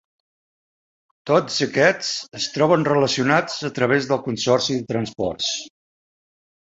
Tots aquests es troben relacionats a través del Consorci de Transports.